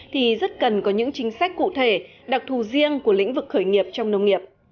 thì rất cần có những chính sách cụ thể đặc thù riêng của lĩnh vực khởi nghiệp trong nông nghiệp